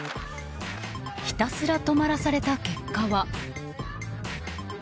ひたすら止まらされた結果は。